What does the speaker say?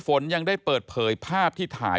ฝนยังได้เปิดเผยภาพที่ถ่าย